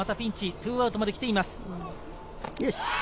２アウトまで来ています。